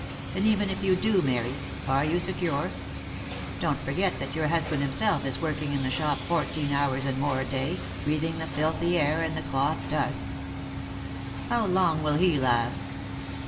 "And even if you do marry, are you so secure? Don't forget that your husband himself is working in the shop fourteen hours and more a day, breathing the filthy air and the cloth dust. How long will he last?